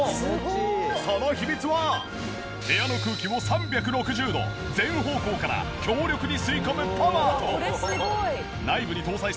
その秘密は部屋の空気を３６０度全方向から強力に吸い込むパワーと。